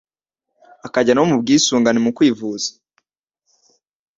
akajya no mu bwisungane mu kwivuza